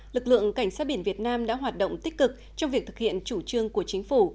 lực lượng cảnh sát biển việt nam đã hoạt động tích cực trong việc thực hiện chủ trương của chính phủ